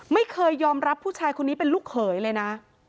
ไม่เคยยอมรับผู้ชายคนนี้เป็นลูกเขยเลยนะ